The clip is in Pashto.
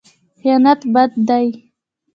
خیانت بد دی.